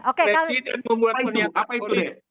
presiden membuat kenyataan polri